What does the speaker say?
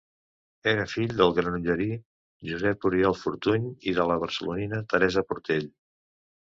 Era fill del granollerí Josep Oriol Fortuny i de la barcelonina Teresa Portell.